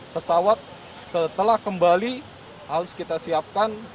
pesawat setelah kembali harus kita siapkan